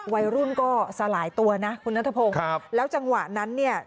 วัยรุ่นก็สลายตัวนะคุณนัทพงศ์ครับแล้วจังหวะนั้นเนี่ย